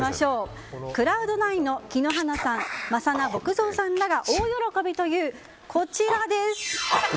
「クラウドナイン」の木野花さん、正名僕蔵さんらが大喜びという、こちらです。